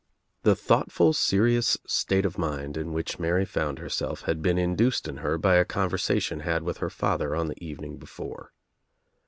The thoughtful serious state of mind in which Mary found herself had been induced in her by a conversa tion had with her father on the evening before.